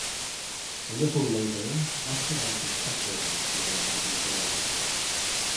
A little later, aftermarket cup holders began to be sold.